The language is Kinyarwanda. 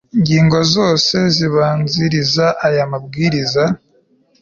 ingingo zose zibanziriza aya mabwiriza